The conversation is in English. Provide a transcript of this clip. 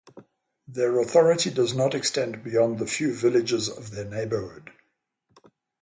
Their authority does not extend beyond the few villages of their neighborhood.